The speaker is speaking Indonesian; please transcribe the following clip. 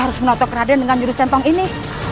nyiroh harus menotok raden dengan jurus santang ini